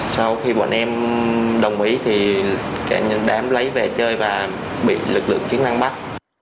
sau khi bọn em đồng ý thì đám lấy về chơi và bị lực lượng chiến năng bắt